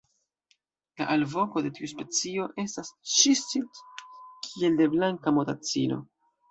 La alvoko de tiu specio estas "ĉis-it" kiel de Blanka motacilo.